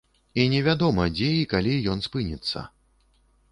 І не вядома, дзе і калі ён спыніцца.